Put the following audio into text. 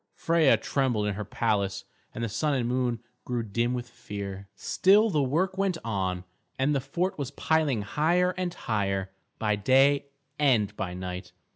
Freia trembled in her palace, and the Sun and Moon grew dim with fear. Still the work went on, and the fort was piling higher and higher, by day and by night.